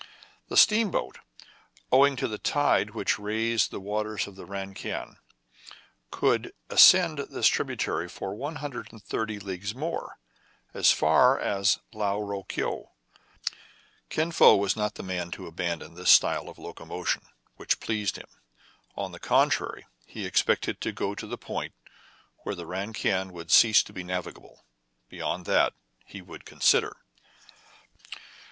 The steamboat, owing to the tide which raised the waters of the Ran Kiang, could ascend this tributary for one hundred and thirty leagues more, as far as Lao Ro Keou. 124 TRIBULATIONS OF A CHINAMAN. Kin Fo was not the man to abandon this style of locomotion, which pleased him. On the contrary, he expected to go to the point where the Ran Kiang would cease to be navigable. Beyond that he would consider.